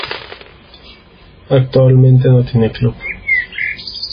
Actualmente no tiene club.